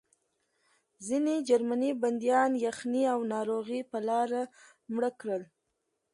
ځینې جرمني بندیان یخنۍ او ناروغۍ په لاره مړه کړل